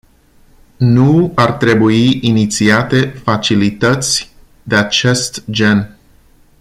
Nu ar trebui inițiate facilități de acest gen.